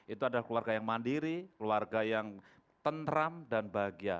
itu adalah keluarga yang mandiri keluarga yang tentram dan bahagia